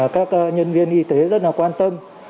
các nhân viên y tế rất là quan tâm